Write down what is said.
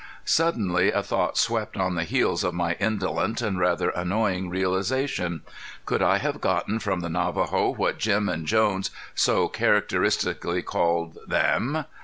Suddenly a thought swept on the heels of my indolent and rather annoying realization. Could I have gotten from the Navajo what Jim and Jones so characteristically called "'em"?